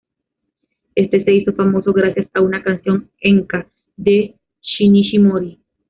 Éste se hizo famoso gracias a una canción enka de Shinichi Mori.